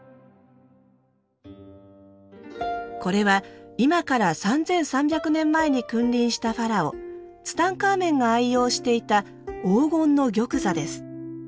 これは今から３３００年前に君臨したファラオツタンカーメンが愛用していた黄金の玉座です。